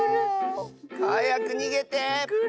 はやくにげて。